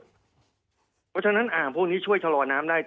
เพราะฉะนั้นอ่างพวกนี้ช่วยชะลอน้ำได้